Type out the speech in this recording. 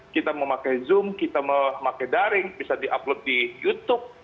kita memakai zoom kita memakai daring bisa di upload di youtube